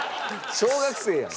小学生やん。